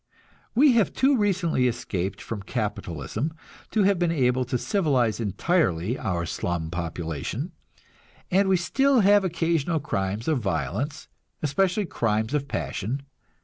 We have too recently escaped from capitalism to have been able to civilize entirely our slum population, and we still have occasional crimes of violence, especially crimes of passion.